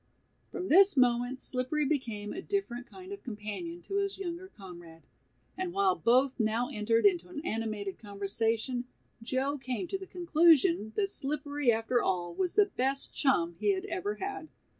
From this moment Slippery became a different kind of companion to his younger comrade, and while both now entered into an animated conversation, Joe came to the conclusion that Slippery after all was the best chum he had ever had.